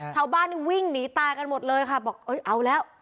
ชาวบ้านนี่วิ่งหนีตายกันหมดเลยค่ะบอกเอ้ยเอาแล้ว